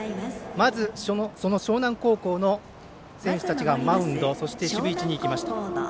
まず樟南高校の選手たちがマウンド、そして守備位置にいきました。